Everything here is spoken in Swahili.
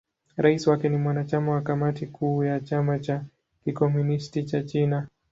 Rais wake ni mwanachama wa Kamati Kuu ya Chama cha Kikomunisti cha China.